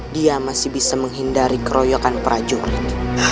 dia masih bisa menghindari keroyokan prajurit